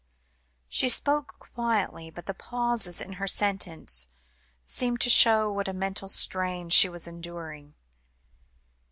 She spoke quietly, but the pauses in her sentence, seemed to show what a mental strain she was enduring.